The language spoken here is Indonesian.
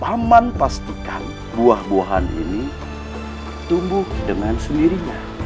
aman pastikan buah buahan ini tumbuh dengan sendirinya